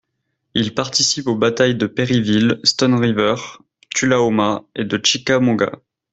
Il participe aux batailles de Perryville, Stones River, Tullahoma, et de Chickamauga.